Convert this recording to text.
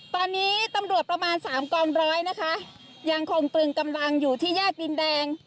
ตอนนี้ตำรวจประมาณสามกองร้อยนะคะยังคงตรึงกำลังอยู่ที่แยกดินแดง